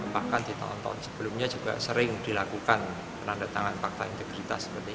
bahkan di tahun tahun sebelumnya juga sering dilakukan penandatangan fakta integritas